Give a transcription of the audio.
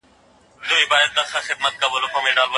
د پيغمبر لومړی کار زده کړه وه.